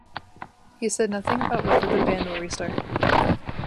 He said nothing about whether the band will restart.